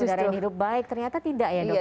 udara yang dihidup baik ternyata tidak ya dok ya